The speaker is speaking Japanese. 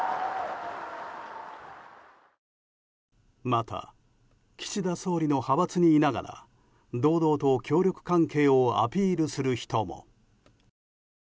また、岸田総理の派閥にいながら堂々と協力関係をアピールする人も。